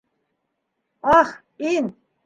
Аһ, ин.